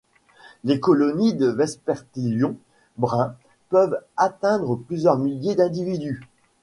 Les colonies de Vespertilion brun peuvent atteindre plusieurs milliers d'individus.